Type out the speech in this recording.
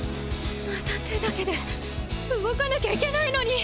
また手だけで動かなきゃいけないのに！